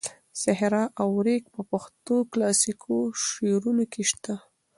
صحرا او ریګ په پښتو کلاسیکو شعرونو کې شته.